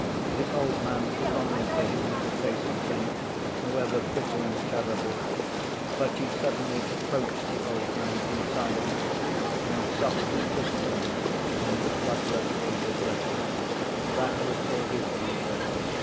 The old man longed for Him to say something, however bitter and terrible. But He suddenly approached the old man in silence and softly kissed him on his bloodless aged lips. That was all His answer.